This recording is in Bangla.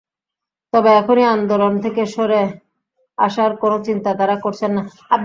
তবে এখনই আন্দোলন থেকে সরে আসার কোনো চিন্তা তাঁরা করছেন না।